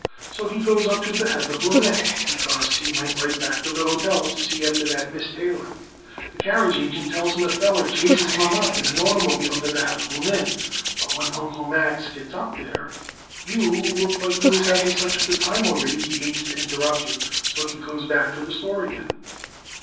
So he goes up to the Heatherbloom Inn because when he went right back to the hotel to see after that Miss Taylor the carriage agent tells him a feller chases him up in an oitermobile to the Heatherbloom Inn. But when Uncle Max gets up there you look like you was having such a good time already he hates to interrupt you, so he goes back to the store again."